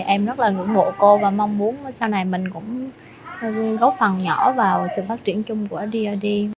em rất là ngưỡng mộ cô và mong muốn sau này mình cũng góp phần nhỏ vào sự phát triển chung của drd